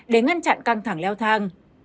để ngăn chặn căng thẳng leo thang